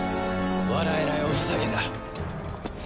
笑えないおふざけだ！